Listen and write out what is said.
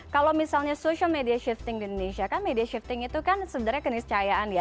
kalau misalnya social media shifting di indonesia kan media shifting itu kan sebenarnya keniscayaan ya